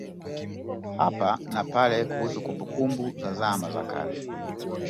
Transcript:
hapa na pale kuhusu kumbukumbu za zama zake